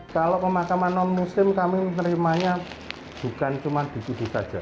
kalau pemakaman non muslim kami menerimanya bukan cuma ditudi saja